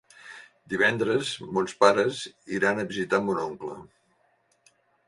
Divendres mons pares iran a visitar mon oncle.